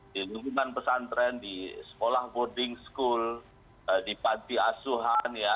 di lingkungan pesantren di sekolah boarding school di panti asuhan ya